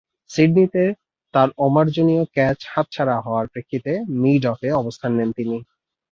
সিডনিতে তার অমার্জনীয় ক্যাচ হাতছাড়া করার প্রেক্ষিতে মিড-অফে অবস্থান নেন তিনি।